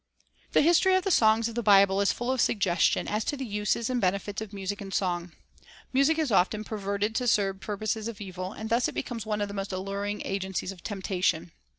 "" The history of the songs of the Bible is full of suggestion as to the uses and benefits of music and song. Music is often perverted to serve purposes of evil, and it thus becomes one of the most alluring agencies of temptation.